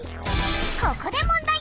ここで問題！